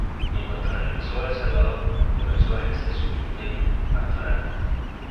En cuanto regresó a El Salvador, comenzó a ejercer su ministerio pastoral.